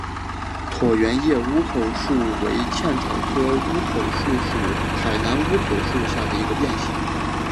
椭圆叶乌口树为茜草科乌口树属海南乌口树下的一个变型。